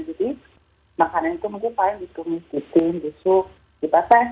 jadi makanan itu mungkin paling di tumis diusut dibasah